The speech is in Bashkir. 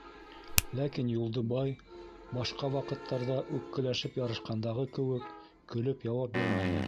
Ләкин Юлдыбай, башҡа ваҡыттарҙа үпкәләшеп ярашҡандағы кеүек, көлөп яуап бирмәне.